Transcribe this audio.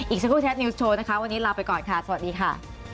อีกสักครู่แท็นิวส์โชว์นะคะวันนี้ลาไปก่อนค่ะสวัสดีค่ะ